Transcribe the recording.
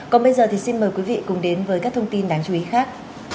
còn bây giờ thì xin mời quý vị cùng đến với các thông tin đáng chú ý khác